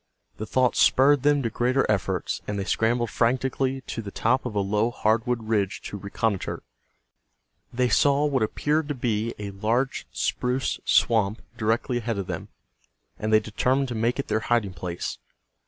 The thought spurred them to greater efforts, and they scrambled frantically to the top of a low hardwood ridge to reconnoiter. They saw what appeared to be a large spruce swamp directly ahead of them, and they determined to make it their hiding place.